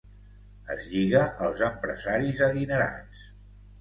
Es lliga als empresaris adinerats.